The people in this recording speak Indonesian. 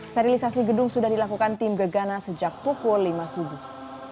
sterilisasi gedung sudah dilakukan tim gegana sejak pukul lima subuh